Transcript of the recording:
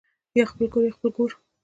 یا خپل کور یا خپل ګور